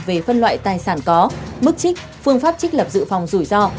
về phân loại tài sản có mức trích phương pháp trích lập dự phòng rủi ro